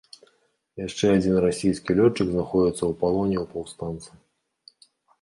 Яшчэ адзін расійскі лётчык знаходзіцца ў палоне ў паўстанцаў.